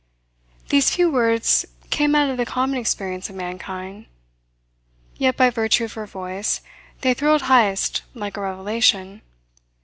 These few words came out of the common experience of mankind; yet by virtue of her voice, they thrilled Heyst like a revelation.